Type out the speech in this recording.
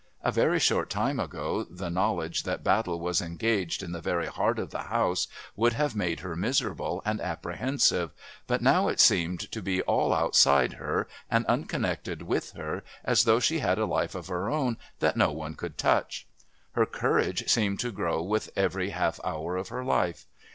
A very short time ago the knowledge that battle was engaged in the very heart of the house would have made her miserable and apprehensive, but now it seemed to be all outside her and unconnected with her as though she had a life of her own that no one could touch. Her courage seemed to grow with every half hour of her life.